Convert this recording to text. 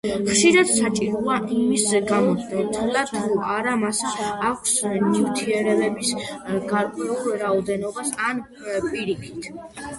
ხშირად საჭიროა იმის გამოთვლა, თუ რა მასა აქვს ნივთიერების გარკვეულ რაოდენობას, ან პირიქით.